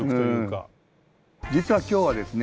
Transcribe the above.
実は今日はですね